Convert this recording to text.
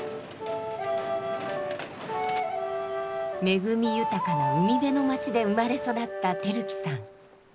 恵み豊かな海辺の町で生まれ育った晃熙さん。